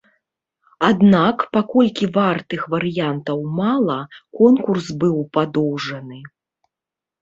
Аднак, паколькі вартых варыянтаў мала, конкурс быў падоўжаны.